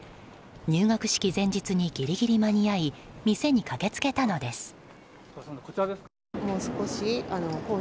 入学式前日にギリギリ間に合い店に駆け付けたのです。